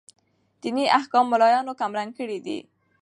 ديني احكام ملايانو کم رنګه کړي دي.